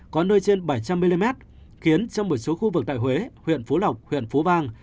có nơi trên bảy trăm linh mm khiến cho một số khu vực tại huế huyện phú lộc huyện phú vang